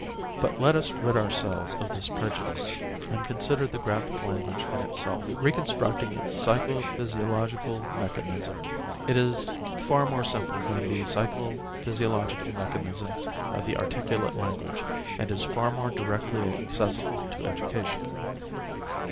But let us rid ourselves of this prejudice and consider the graphic language in itself, reconstructing its psycho physiological mechanism. It is far more simple than the psycho physiological mechanism of the articulate language, and is far more directly accessible to education.